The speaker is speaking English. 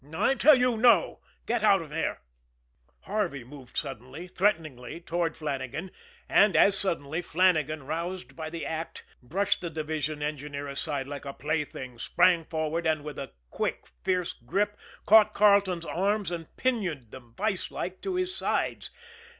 "I tell you, no! Get out of here!" Harvey moved suddenly, threateningly, toward Flannagan and, as suddenly, Flannagan, roused by the act, brushed the division engineer aside like a plaything, sprang forward, and, with a quick, fierce grip, caught Carleton's arms and pinioned them, vise like, to his sides.